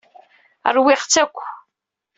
Rwiɣ-tt akk.